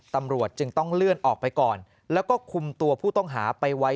ตำรวจจึงต้องเลื่อนออกไปก่อนแล้วก็คุมตัวผู้ต้องหาไปไว้